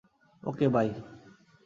Okay, by.